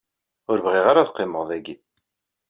Ur bɣiɣ ara ad qqimeɣ dagi.